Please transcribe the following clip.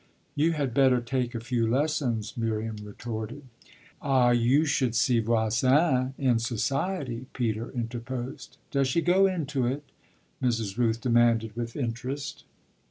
"You had better take a few lessons," Miriam retorted. "Ah you should see Voisin in society," Peter interposed. "Does she go into it?" Mrs. Rooth demanded with interest.